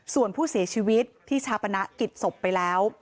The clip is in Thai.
ส่วนผู้เสียชีวิตที่ชาปนกิจศพไปแล้ว